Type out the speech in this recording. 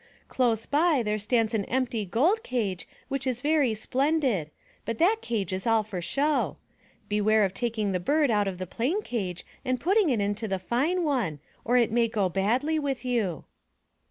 Close by, there stands an empty gold cage which is very splendid. But that cage is all for show. Beware of taking the bird out of the plain cage and putting it into the fine one or it may go badly with you."